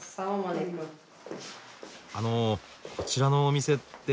あのこちらのお店って。